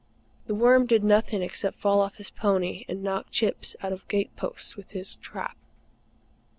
The Worm did nothing except fall off his pony, and knock chips out of gate posts with his trap.